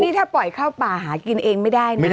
นี่ถ้าปล่อยเข้าป่าหากินเองไม่ได้นะ